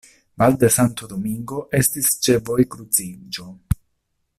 Val de Santo Domingo estis ĉe vojkruciĝo.